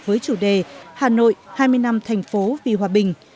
với chủ đề hà nội hai mươi năm thành phố vì hòa bình